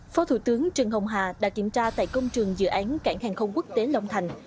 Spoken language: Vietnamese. phó thủ tướng trần hồng hà đã kiểm tra tại công trường dự án cảng hàng không quốc tế long thành